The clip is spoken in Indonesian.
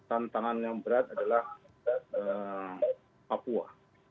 tantangan yang berat adalah papua